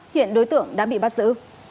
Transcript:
hiện đối tượng đã bị bắt giữ